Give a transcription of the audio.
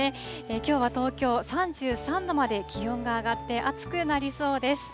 きょうは東京、３３度まで気温が上がって、暑くなりそうです。